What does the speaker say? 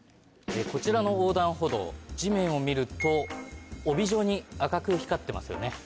こちらの横断歩道地面を見ると帯状に赤く光ってますよね。